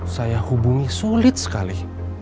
saya hubungi sulit sekali